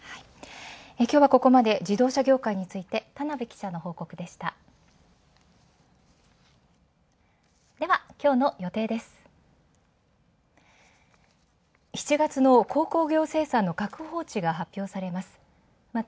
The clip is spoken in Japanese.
今日はここまで自動車業界について田辺記者の報告でした。